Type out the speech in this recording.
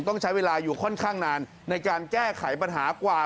ต้องใช้เวลาอยู่ค่อนข้างนานในการแก้ไขปัญหากว่า